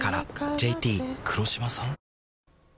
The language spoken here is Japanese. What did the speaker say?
ＪＴ黒島さん？